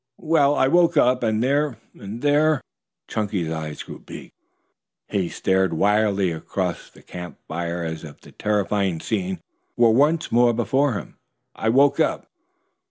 Well, I woke up and there and there " Chunky's eyes grew big, he stared wildly across the camp fire as if the terrifying scene were once more before him. "I woke up."